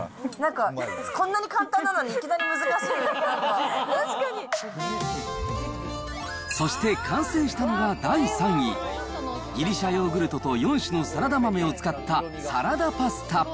なんか、こんなに簡単なのにそして、完成したのが第３位、ギリシャヨーグルトと４種のサラダ豆を使ったサラダパスタ。